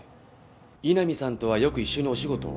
井波さんとはよく一緒にお仕事を？